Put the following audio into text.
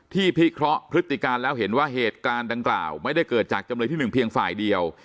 พิเคราะห์พฤติการแล้วเห็นว่าเหตุการณ์ดังกล่าวไม่ได้เกิดจากจำเลยที่๑เพียงฝ่ายเดียว